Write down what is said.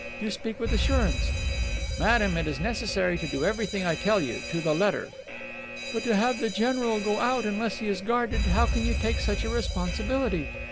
You speak with assurance." "Madame, it is necessary to do everything I tell you, to the letter." "But to have the general go out, unless he is guarded how can you take such a responsibility?